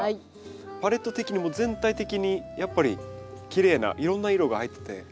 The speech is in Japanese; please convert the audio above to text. パレット的にも全体的にやっぱりきれいないろんな色が入ってて。